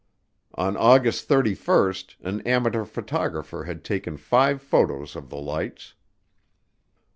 On August 31 an amateur photographer had taken five photos of the lights.